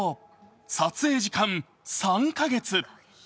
撮影時間３か月。